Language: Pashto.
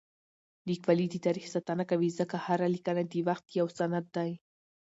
لیکوالی د تاریخ ساتنه کوي ځکه هره لیکنه د وخت یو سند دی.